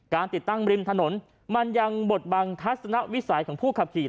ติดตั้งริมถนนมันยังบดบังทัศนวิสัยของผู้ขับขี่